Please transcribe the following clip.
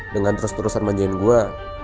dengan terus terusan manjain gue